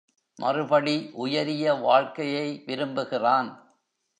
மறுபடி உயரிய வாழ்க்கையை விரும்புகிறான்.